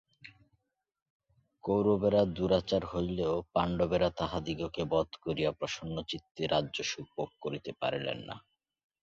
কৌরবেরা দুরাচার হইলেও পাণ্ডবেরা তাঁহাদিগকে বধ করিয়া প্রসন্নচিত্তে রাজ্যসুখ ভোগ করিতে পারিলেন না।